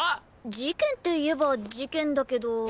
事件っていえば事件だけど。